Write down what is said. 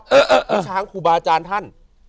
ผู้ช้างขุบาอาจารย์ท่าน